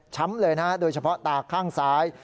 ช้ำเลยนะโดยเฉพาะตาข้างซ้าย